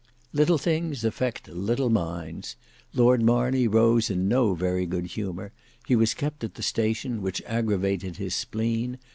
Little things affect little minds. Lord Marney rose in no very good humour; he was kept at the station, which aggravated his spleen.